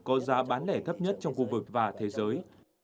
có giá bán lẻ thấp nhất trong khu vực và thế giới